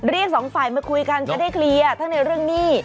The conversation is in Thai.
สองฝ่ายมาคุยกันจะได้เคลียร์ทั้งในเรื่องหนี้